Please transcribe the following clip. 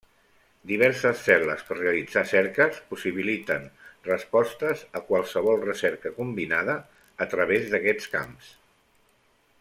Diverses cel·les per realitzar cerques possibiliten respostes a qualsevol recerca combinada a través d'aquests camps.